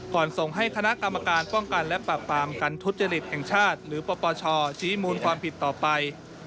ส่งให้คณะกรรมการป้องกันและปราบปรามการทุจริตแห่งชาติหรือปปชชี้มูลความผิดต่อไป